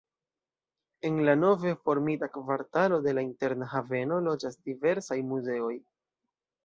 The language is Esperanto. En la nove formita kvartalo de la Interna Haveno loĝas diversaj muzeoj.